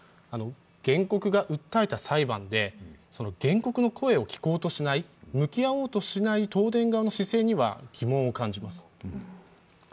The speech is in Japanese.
原告が訴えた裁判で原告の声を聞こうとしない、向き合おうとしない東電側の姿勢には疑問を感じます。